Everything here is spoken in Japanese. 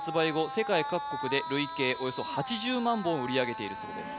世界各国で累計およそ８０万本売り上げているそうです